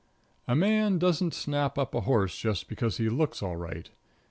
_"] A man doesn't snap up a horse just because he looks all right.